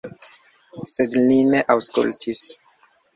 Sed li ne aŭskultis.